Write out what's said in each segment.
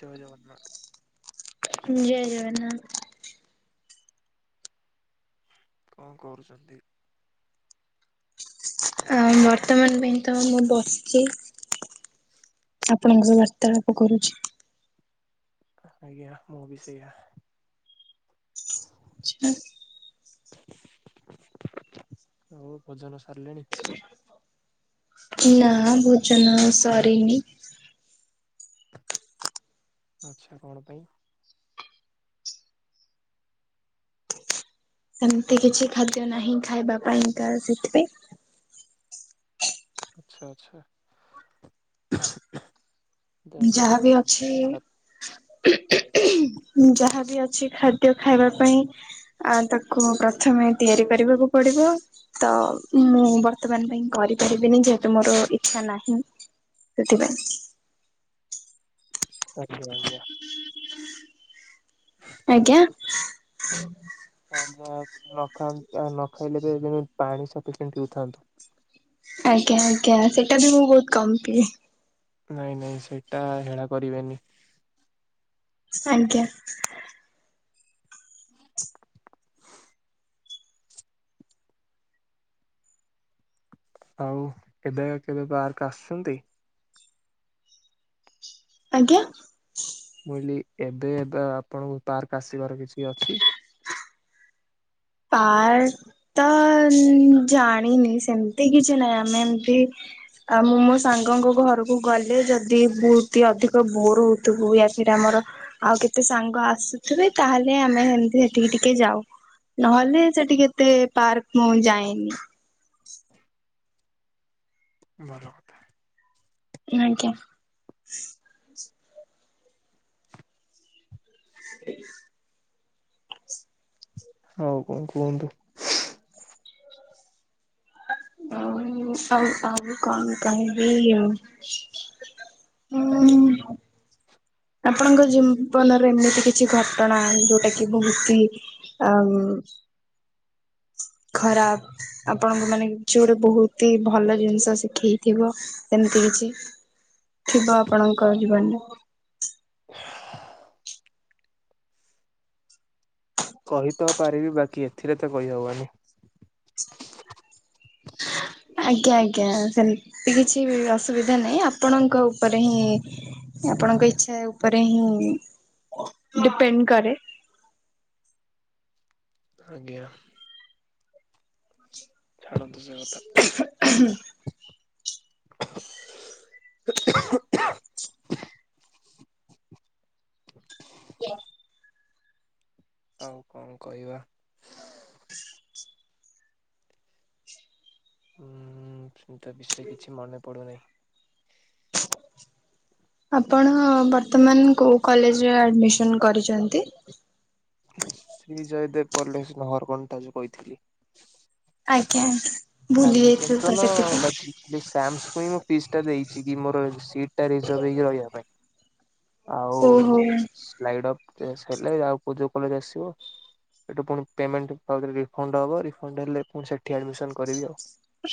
ଜୟ ଜଗନ୍ନାଥ। ହୁଁ ଜୟ ଜଗନ୍ନାଥ। କଣ କରୁଛନ୍ତି? ଆ ବର୍ତ୍ତମାନ ପାଇଁ ତ ମୁଁ ବସିଛି। ଆପଣଙ୍କ ସହ ବାର୍ତ୍ତାଳାପ କରୁଛି। ଆଜ୍ଞା ମୁଁ ବି ସେୟା। [unintelligible] ହଉ ଭୋଜନ ସାରିଲେଣି? ନା ଭୋଜନ ଆଉ ସରିନି। ଆଚ୍ଛା କଣ ପାଇଁ? ସେମିତି କିଛି ଖାଦ୍ୟ ନାହିଁ ଖାଇବା ପାଇଁକା ସେଥିପାଇଁ। ଆଚ୍ଛା ଆଚ୍ଛା। ଦେ ଦେହ ଯାହାବି ପାଇଁ ଅଛି ଖରାପ। [unintelligible] ଯାହାବି ଅଛି ଖା ଖଦ୍ୟ ଖାଇବା ପାଇଁ ତାକୁ ପ୍ରଥମେ ତିଆରି କରିବାକୁ ପଡ଼ିବ ତ ମୁଁ ବର୍ତ୍ତମାନ ପାଇଁ କରିପାରିବିନି, ଯେହେତୁ ମୋର ଇଚ୍ଛା ନାହିଁ। ସେଥିପାଇଁ। ଆଛା [unintelligible] ହଁ ଆଜ୍ଞା। ଆଜ୍ଞା, ନଖନ ନଖାଇଲେ ବି ପାଣି ସଫିସିଣ୍ଟ ପିଉଥାନ୍ତୁ। ଆଜ୍ଞା, ଆଜ୍ଞା ସେଇଟା ବି ମୁଁ ବହୁତ କମ ପିଏ। ନାଇଁ ନାଇଁ ସେଇଟା ହେଳା କରିବେନି। ଆଜ୍ଞା ହୁଁ ଆଉ ଏବେ କେବେ ପାର୍କ ଆସୁଛନ୍ତି? ଆଜ୍ଞା ମୁଁଇଲି ଏବେ ଏବେ ଆପଣଙ୍କୁ ପାର୍କ ଆସିବାର କିଛି ଅଛି? ପାର୍କ ତ ଜାଣିନି ସେମତି କିଛି ନାହିଁ ଆମେ ଏମତି ଆଉ ମୁଁ ମୋ ସାଙ୍ଗଙ୍କୁ ଘରକୁ ଗଲେ ଯଦି ବୁ ଅଧିକ ବୋର ହଉଥିବୁ ୟା [unintelligible] ଆମର ଆଉ କେତେ ସାଙ୍ଗ ଆସୁଥିବେ ତାହେଲେ ଆମେ ହେମିତି ହେଠିକି ଟିକେ ଯାଉ। ନହେଲେ ସେଠିକି କେତେ ପାର୍କ ମୁଁ ଯାଏନି। ଭଲ କଥା ଅଜ୍ଞ୍ୟା ହ ହଉ କଣ କୁହନ୍ତୁ? ଆ ଆଉ ଆଉ କଣ କହିବି? ଉମଂ ଆପଣଙ୍କ ଜୀବନରେ ଏମିତି କିଛି ଘଟଣା ଯୋଉଟା କି ବହୁତହି ଆମ୍ ଖରାପ ଆପଣଙ୍କୁ ମାନେ ଯୋଟା ବହୁତହି ଭଲ ଜିନିଷ ଶିଖେଇଥିବ ସେମିତି କିଛି? ଥିବ ଆପଣଙ୍କ ଜୀବନରେ। କହି ତ ପାରିବି ବାକି ଏଥିରେ ତ କହିହବନି। ହ ଆଜ୍ଞା ଆଜ୍ଞା ସେମତି କିଛି ଅସୁବିଧା ନାହିଁ ଆପଣଙ୍କ ଉପରେ ହିଁ ଆପଣଙ୍କ ଇଛା ଉପରେ ହିଁ ଡିପେଣ୍ଡ କରେ। ଆଜ୍ଞା ଛାଣନ୍ତୁ ସେକଥା। ଆଉ କଣ କହିବା? ହୁଁ ସେମିତୀୟା ବିଷୟ କିଛି ମନେ ପଡୁନାହିଁ। ଆପଣ ବର୍ତ୍ତମାନ କୋଉ କଲେଜରେ ଆଡ଼ମିସନ୍ କରିଛନ୍ତି? ଶ୍ରୀ ଜୟଦେବ କଲେଜ [unintelligible] ରକଣ୍ଟା ଯୋଉ କହିଥିଲି। ଆଜ୍ଞା ଆଜ୍ଞା ଭୁଲି ଆଡମିସନ ଯାଇଥିଲି ତ ତନ ସେଥିପାଇଁ ବାକି ଶ୍ୟାମସ କୂ ହିଁ ମୁଁ ପିସ୍ ଟା ଦେଇଛି କି ମୋର ସିଟ ଟା ରିଜର୍ଭ ହେଇକି ରହିବା ପାଇଁ। ଆଉ ଓହୋ [unintelligible] ହେଲେ ଆଉୋ ଯୋଉ କଲେଜ ଆସିବ। ସେଠୁ ପୁଣି ପେମେଣ୍ଟ [inaudible] ରିଫଣ୍ଡ ହବ ରିଫଣ୍ଡ ହେଲେ ପୁଂନୀ ସେଠି ଆଡମିସନ କରିବି ଆଉ।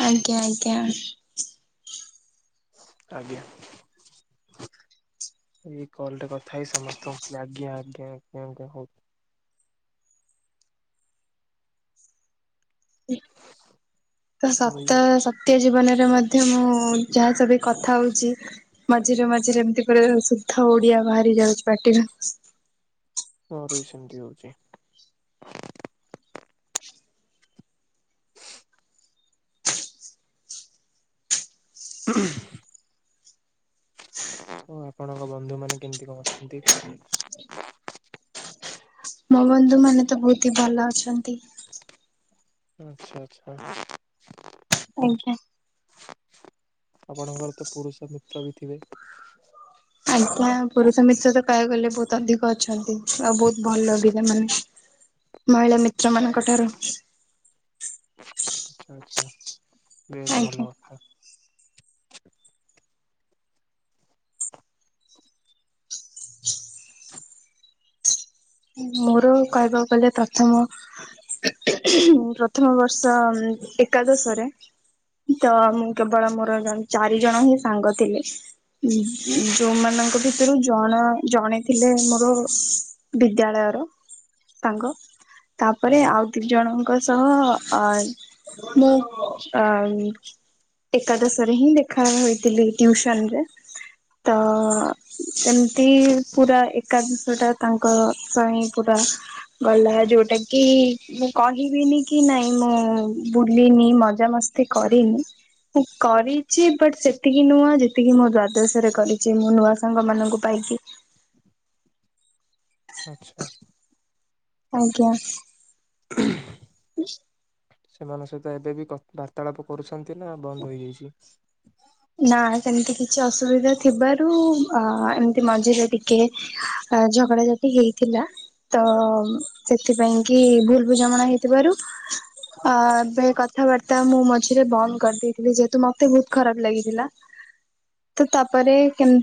ଆଜ୍ଞା ଆଜ୍ଞା ଆଜ୍ଞା ଏଇ କଲଟରେ କଥା ହେଇ ସମସ୍ତଙ୍କୁ କି ଆଜ୍ଞା ଆଜ୍ଞା ଆଜ୍ଞା ଆ୍ଞା ହଉ। ହ ତ ସତ ସତ୍ୟ ଜୀବନରେ ମଧ୍ୟ ମୁଁ ଯାହା ସହବି କଥା ହଉଛି ମଝିରେ ମଝିରେ ଏମିତି ଗୁଡାଏ ଶୁଦ୍ଧ ଓଡିଆ ବାହାରି ଯାଉଛି ପାଟିରୁ। ମୋର ବି ସେମିତି ହେଉଛି। [unintelligible] ଓଃ ଆପଣଙ୍କ ବନ୍ଧୁମାନେ କେମିତି କଣ କଣଛନ୍ତି? ମୋ ବନ୍ଧୁ ମାନେ ତ ବହୁତିହି ଭଲ ଅଛନ୍ତି। ଆଚ୍ଛା ଆଚ୍ଛା। ଆଜ୍ଞା। ଆପଣଙ୍କର ତ ପୁରୁଷ ମିତ୍ର ବି ଥିବେ। ଆଜ୍ଞା ପୁରୁଷ ମିତ୍ର ତ କହିବାକୁ ଗଲେ ବହୁତ ଅଧିକ ଅଛନ୍ତି। ଆଉ ବହୁତ ଭଲ ପିଲା ମାନେ ମହିଳା ମିତ୍ର ମାନଙ୍କ ଠାରୁ। ଆଚ୍ଛା ଆଚ୍ଛା ବେଶ ଆଜ୍ଞା। ଭଲ କଥା। ମୋର କହିବାକୁ ଗଲେ ପ୍ରଥମ ପ୍ରଥମ ବର୍ଷ ଏକାଦଶ ରେ ତ ମୁଁ କେବଳ ମୋର ଚାରି ଜଣ ହିଁ ସାଙ୍ଗ ଥିଲେ। ଉଁ ଉ ଯୋଉମାନଙ୍କ ଭିତରୁ ଜଣେ ଜଣେଥିଲେ ମୋର ବିଦ୍ୟାଳୟର ସାଙ୍ଗ ତାପରେ ଆଜ୍ଞା ଆଉ ଦି ଜଣଙ୍କ ସହ ଅ ମୁଁ ଅ ଏକାଦଶ ରେ ହିଁ ଦେଖା ହୋଇଥିଲି ଟିଉସନ ରେ। ତ ଏମିତି ପୁରା ଏକାଦଶଟା ତାଙ୍କ କହିଁ ପୁରା ଗଲା ଯୋଉଟା କି ମୁଁ କହିବିନି କି ନାଇଁ ମୁଁ ବୁଲିିନି ମଜାମସ୍ତି ସେ କରିନି। ମୁଁ କରିଛି ବଟ୍ ସେତିକି ନୁହ ଯେତିକି ମୋ ଦ୍ଵାଦଶରେ କରିଛି। ମୁଁ ନୂଆ ସାଙ୍ଗ ମାନଙ୍କୁ ପାଇକି ଆଛା। ଆଜ୍ଞା। [unintelligible] [unintelligible] ସେମାନଙ୍କ ସହିତ ଏବେ ବି କଥ୍ ବାର୍ତ୍ତାଳାପ କରୁଛନ୍ତି ନା ବନ୍ଦ ହୋଇଯାଇଛି? ନା ସେମିତି କିଛି ଅସୁବିଧା ଥିବାରୁ ଆ ଏମିତି ମଝିରେ ଟିକେ ଝଗଡ଼ାଝାଟି ହେଇଥିଲା। ତ ସେଥିପାଇଁ କି ଭୁଲ୍ ବୁଝାମଣା ହେଇଥିବାରୁ ଅ ଏବେ କଥାବାର୍ତ୍ତା ମୁଁ ମଝିରେ ବନ୍ଦ କରିଦେଇଥିଲି ଯେହେତୁ ମତେ ବହୁତ ଖରାପ ଲାଗିଥିଲା। ତ ତାପରେ କେମ୍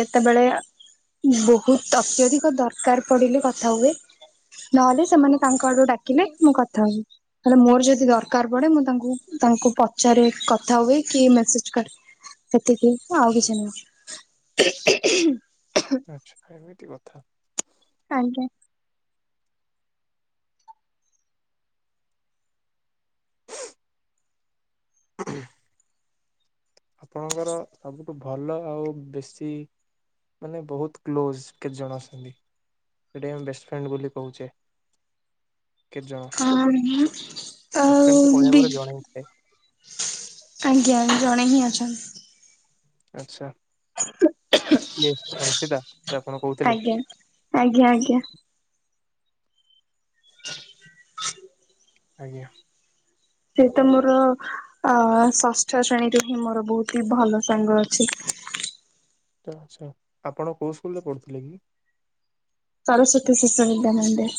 କେତେବେଳେ ବହୁତ୍‌ ଅତ୍ୟଧିକ ଦରକାର ପଡିଲେ କଥା ହୁଏ। ନହେଲେ ସେମାନେ ତାଙ୍କ ଆଡୁ ଡାକିଲେ ମୁଁ କଥା ହୁଏ। ତାହେଲେ ମୋର ଯଦି ଦରକାର ପଡେ ମୁଁ ତାଙ୍କୁ ତାଙ୍କୁ କ ଚରେ କଥା ହୁଏ କି ମେସେଜ୍‌ କରେ ଏତିକି ନା ଆଉ କିଛି ନୁହଁ। ଆଚ୍ଛା ଏମିତି କଥା। ଆଜ୍ଞା। [unintelligible] ଆପଣଙ୍କର ସବୁ ଠୁ ଭଲ ଆଉ ବେଶୀ ମାନେ ବହୁତ୍ କ୍ଲୋଜ କେତେ ଜଣ ଅଛନ୍ତି? ସେଠି ଆମ ବେଷ୍ଟ ଫ୍ରେଣ୍ଡ ବୋଲି କହୁଛେ। କେତେ ଜଣ? ଅ ହୁଁ ବେଷ୍ଟ ଫ୍ରେଣ୍ଡ ତ କହିବାକୁ ଆଉବି ଗଲେ ଜଣେ ହିଁ ଥାଏ। ଆଜ୍ଞା ଜଣେ ହିଁ ଅଛନ୍ତି। ଆଚ୍ଛା କିଏ ସଂଶିତା ଯୋଉ ଆପଣ କହୁଥିଲେ। ଆଜ୍ଞା ଆଜ୍ଞା ଆଜ୍ଞା। [inaudible] [inaudible] ଆଜ୍ଞା। ସେ ତ ମୋର ଅ ଷଷ୍ଠ ଶ୍ରେଣୀରୁ ହିଁ ମୋର ବହୁତ ହି ଭଲ ସାଙ୍ଗ। ଛି ଆଛା ଆପଣ କୋଉ ସ୍କୁଲରେ ପଢ଼ୁଥିଲେ କି? ସରସ୍ୱତୀ ଶିଶୁ ବିଦ୍ୟାମନ୍ଦିର।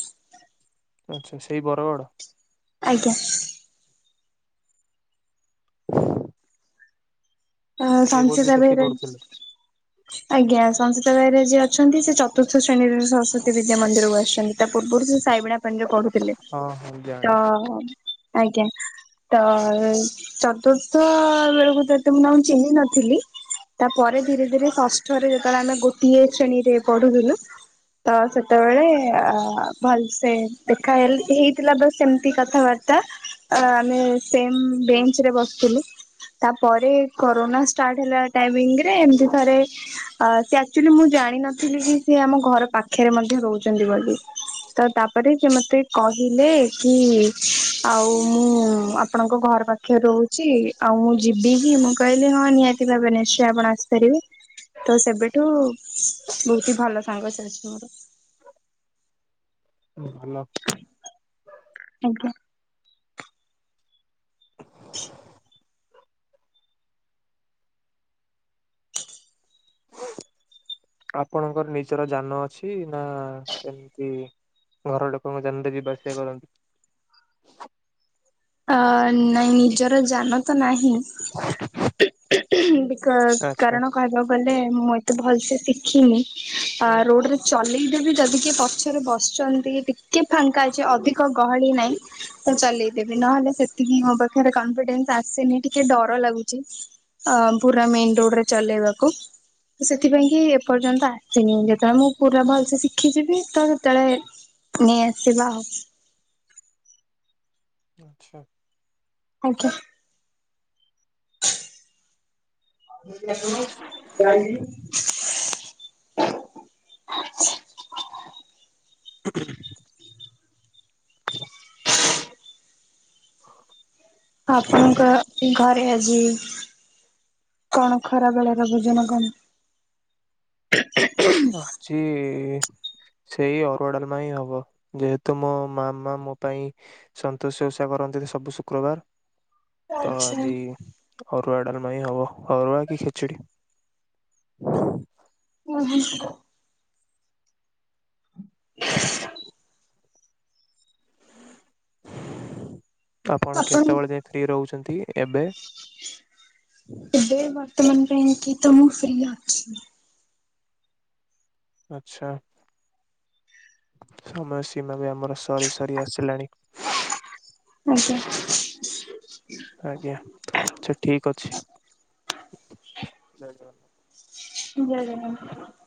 ଆଚ୍ଛା। ସେଇ ବରଗଡ଼? ଆଜ୍ଞା। ଅ ସିଏ ବୋଧେ ସଂସୀତା ବେ ସେଠି ପଢୁଥିଲେ ଆଜ୍ଞା ସଂସୀତା ବେହେରା ଯିଏ ଅଛନ୍ତି ସେ ଚତୁର୍ଥ ଶ୍ରେଣୀରେ ସରସ୍ଵତୀ ବିଦ୍ୟା ମନ୍ଦିର କୁ ଆସିଛନ୍ତି। ତା ପୂର୍ବରୁ ସେ ସାଇବିଣାପାଣିରେ ପଢୁଥିଲେ। ହଁ ହଁ ଜାଣି ତ ଆଜ୍ଞା। ତ ଚତୁର୍ଥ ବେଳକୁ ତତେ ମୁ ଚିହ୍ନି ନଥିଲି। ତାପରେ ଧୀରେ ଧୀରେ ଷଷ୍ଠରେ ଯେତେବେଳେ ଆମେ ଗୋଟିଏ ଶ୍ରେଣୀରେ ପଢୁଥିଲୁ ତ ସେତେବେଳେ, ଅ ଭଲସେ ଦେଖା ହେ ହେଇଥିଲା ବା ସେମ ମିତି କଥାବାର୍ତ୍ତା, ଆମେ ସେମ୍ ବେଞ୍ଚ ରେ ବସିଥିଲୁ। ତାପରେ କରୋନା ଷ୍ଟାର୍ଟ ହେଲା ଟାଇମିଙ୍ଗ ରେ ଏମିତି ଥରେ ଅ ସେ ଆକ୍ଚୁଆଲି ମୁଁ ଜାଣିିନଥିଲି କି, ସେ ଆମ ଘର ପାଖରେ ମଧ୍ୟ ରହୁଚନ୍ତି ବୋଲି। ତ ତାପରେ ସେ ମତେ କହିଲେ କି, ଆଉ ମୁଁ ଆପଣଙ୍କ ଘର ପାଖ ପାଖେ ରହୁଛି। ଆଉ ମୁଁ ଯିବି କି? ମୁଁ କହିଲି ହଁ ନିହାତି ଭାବେ ନିଶ୍ଚୟ ଆପଣ ଆସିପାରିବେ। ତ ସେବେଠୁ ବହୁତି ହି ଭଲ ସାଙ୍ଗ ସେ ଅଛି ମୋର। ହଁ ଭଲ। ଆଜ୍ଞା। ଆପଣଙ୍କର ନିଜର ଯାନ ଅଛି? ନା ସେମିତି ପର ଲୋକଙ୍କ ଯାନ ରେ ଯିବା ଆସିବା କରନ୍ତି? ଅ ନାଇଁ ନିଜର ଜାନ ତ ନାହିଁ ବିକଜ ଆଚ୍ଛା କାରଣ କହିବା କଲେ ମୁଁ ଏତେ ଭଲ ସେ ଶିଖିନି, ଆ ରୋଡରେ ଚଲେଇଦେବି ଯଦି କିଏ ପଛରେ ବସଚନ୍ତି ଟିକେ ଫାଙ୍କା ଅଛି ଅଧିକ ଗହଳି ନାଇଁ। ମୁଁ ଚଲେଇଦେବି। ନହେଲେ ସେତିକି ମୋ ପାଖରେ କନଫିଡେନ୍ସ ଆସିନି ଟିକେ ଡର ଲାଗୁଛି। ଅ ପୁରା ମେନ୍ ରୋଡରେ ଚଲେଇବାକୁ ତ ସେଥିପାଇଁ କି ଏପର୍ଯ୍ୟନ୍ତ ଆସିନି। ଯେତେବେଳେ ମୁଁ ପୁରା ଭଲସେ ଶିଖିଯିବି ତ ସେତେଳେ ନେଇ ଆସିବା ଆଉ। ଆଚ୍ଛା। ଆଜ୍ଞା। [unintelligible] [unintelligible] ହଁ ଆପଣଙ୍କର ଘରେ ଆଜି କଣ ଖରାବେଳର ଭୋଜନ କମ ଆଜି ସେଇ ଅରୁଆ ଡାଲମା ହିଁ ହବ। ଯେହେତୁ ମୋ ମାମା ମୋ ପାଇଁ ସନ୍ତୋଶି ଓଷା କରନ୍ତି ସବୁ ଶୁକ୍ରବାର ତ ଆଚ୍ଛା ଆଜି ଅରୁଆ ଡାଲମା ହିଁ ହବ। ଅରୁଆ କି ଖିଚୁଡି ହଁ ଓହୋ। [unintelligible] ଆପଣ କେତେବେଳେ ଯାଇ ଫ୍ରି ରହୁଛନ୍ତି ଏବେ? ଏ ବର୍ତମାନ ପାଇଁ ଏଠିତ ମୁଁ ଫ୍ରି ଅଛି। ଆଛା। ସମୟ ସୀମା ବି ଆମର ସରି ସରି ଆସିଲାଣି। ଆଜ୍ଞା। ଆଜ୍ଞା। ଆଛା ଠିକ୍ ଅଛି। ଜୟ ଜଗନ୍ନାଥ। ଜୟ ଜଗନ୍ନାଥ।